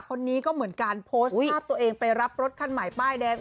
คนนี้ก็เหมือนกันโพสต์ภาพตัวเองไปรับรถคันใหม่ป้ายแดง